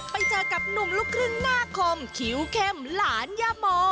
ไปเจอกับหลุงลูกครึ่งหน้าขมคิ้วเค็มหลานยม์